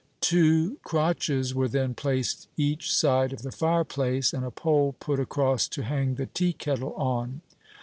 Two crotches were then placed each side of the fireplace, and a pole put across to hang the tea kettle on.